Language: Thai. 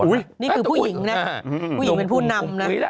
นี่คือผู้หญิงนะผู้หญิงเป็นผู้นำนะ